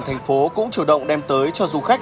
thành phố cũng chủ động đem tới cho du khách